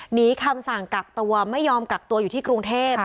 หนีคำสั่งกักตัวไม่ยอมกักตัวอยู่ที่กรุงเทพ